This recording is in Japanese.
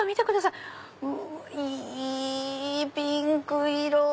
いいピンク色！